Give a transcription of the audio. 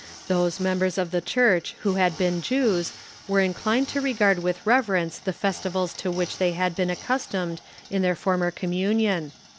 Those members of the Church who had been Jews were in clined to regard with reverence the festivals to which they had been accustomed in their former communion.